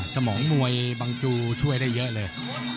สมองมวยบังจูช่วยได้เยอะเลย